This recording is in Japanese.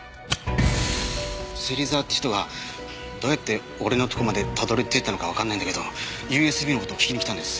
芹沢って人がどうやって俺のとこまでたどり着いたのかわかんないんだけどＵＳＢの事を聞きに来たんです。